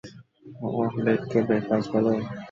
অমলেটকে breakfast বলো?